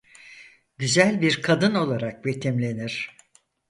Güzel bir kadın olarak betimlenir.